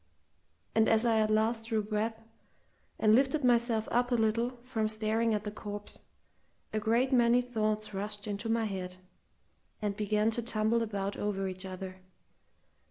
And as I at last drew breath, and lifted myself up a little from staring at the corpse, a great many thoughts rushed into my head, and began to tumble about over each other.